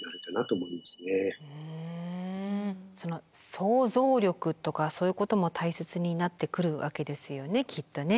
その想像力とかそういうことも大切になってくるわけですよねきっとね。